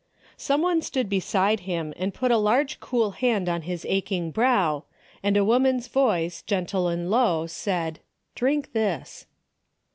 So3iE one stood beside him and put a large cool hand on his aching brow, and a woman's voice, gentle and low, said " Drink this."